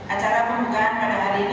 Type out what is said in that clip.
acara pembukaan pada hari ini